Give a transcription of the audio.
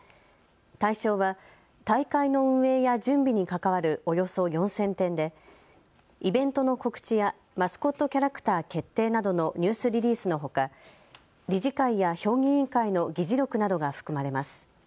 対象は大会の運営や準備に関わるおよそ４０００点でイベントの告知やマスコットキャラクター決定などのニュースリリースのほか理事会や評議員会の議事録などが含まれます。